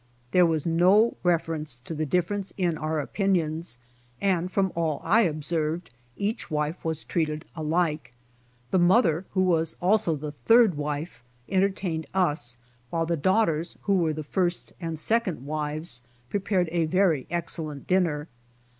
There was no reference to the difference in our opinions, and from all I observed each wife was treated alike. The mother, who was also the third wife, entertained us, while the daughters, who were the first and second wives prepared a very excellent dinner.